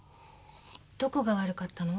どこが悪かったの？